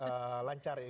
semoga realisasinya lancar